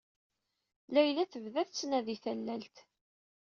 Layla tedda ad d-tnadi tallalt.